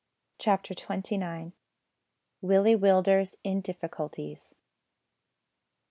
CHAPTER TWENTY NINE. WILLIE WILLDERS IN DIFFICULTIES.